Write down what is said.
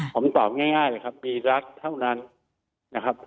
ผมตอบง่ายเลยครับมีรักเท่านั้นนะครับ